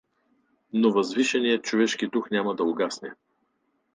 Но възвишеният човешки дух няма да угасне.